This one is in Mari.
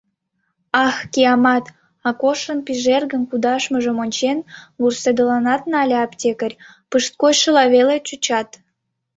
— Ах, киямат, — Акошын пижергым кудашмыжым ончен, вурседылынат нале аптекарь, — пышткойшыла веле чучат.